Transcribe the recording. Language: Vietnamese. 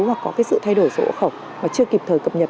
hoặc có cái sự thay đổi sổ hộ khẩu mà chưa kịp thời cập nhật